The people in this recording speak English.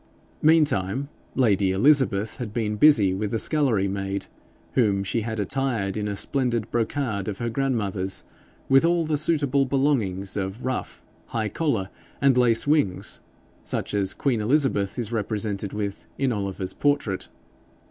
Meantime lady Elizabeth had been busy with the scullery maid, whom she had attired in a splendid brocade of her grandmother's, with all suitable belongings of ruff, high collar, and lace wings, such as Queen Elizabeth is represented with in Oliver's portrait.